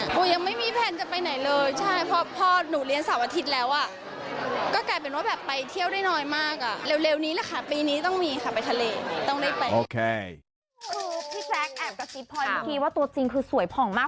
คือพี่แจ๊คแอบกับจิ๊ดพอยน์เมื่อกี้ว่าตัวจริงคือสวยผ่องมาก